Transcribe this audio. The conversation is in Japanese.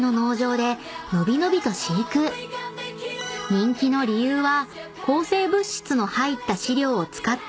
［人気の理由は抗生物質の入った飼料を使っていないので安心］